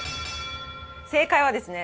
正解はですね。